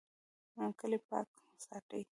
کلی پاک ساتئ